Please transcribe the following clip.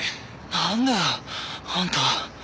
なんだよあんた。